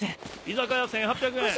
居酒屋１８００円。